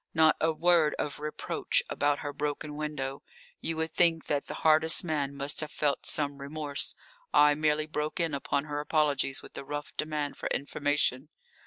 Not a word of reproach about her broken window. You would think that the hardest man must have felt some remorse. I merely broke in upon her apologies with a rough demand for information.